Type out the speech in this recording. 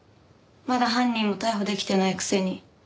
まだ犯人も逮捕できてないくせに。